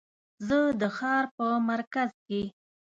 زه د ښار په مرکز کې